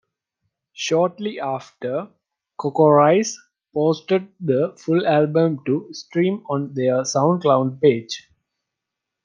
Shortly after, CocoRosie posted the full album to stream on their SoundCloud page.